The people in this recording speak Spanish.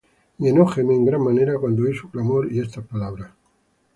Y enojéme en gran manera cuando oí su clamor y estas palabras.